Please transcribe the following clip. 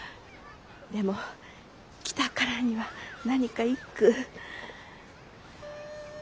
でも来たからには何か一句。